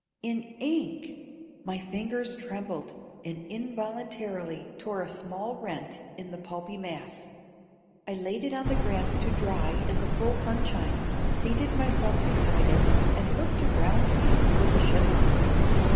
In ink! My fingers trembled and involuntarily tore a small rent in the pulpy mass. I laid it on the grass to dry in the full sunshine, seated myself beside it, and looked around me with a shiver.